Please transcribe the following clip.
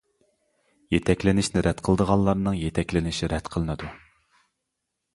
يېتەكلىنىشنى رەت قىلىدىغانلارنىڭ يېتەكلىنىشى رەت قىلىنىدۇ.